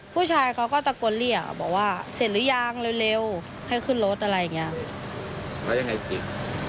ผู้ชายเขาก็ตะโกนเหลี่ยบบอกว่าเสร็จหรือยังเร็วเร็วให้ขึ้นรถอะไรอย่างเงี้ย